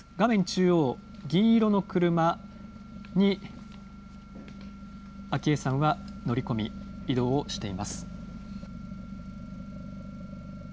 中央、銀色の車に昭恵さんは乗り込み、移動をしています。